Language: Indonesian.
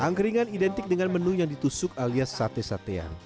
angkringan identik dengan menu yang ditusuk alias sate satean